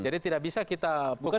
jadi tidak bisa kita pukul rata